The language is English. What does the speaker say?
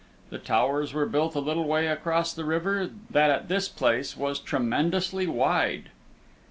The towers were built a little way across the river that at this place was tremendously wide.